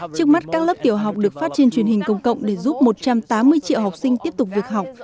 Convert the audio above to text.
trước mắt các lớp tiểu học được phát trên truyền hình công cộng để giúp một trăm tám mươi triệu học sinh tiếp tục việc học